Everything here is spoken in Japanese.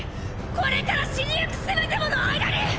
これから死に行くせめてもの間に！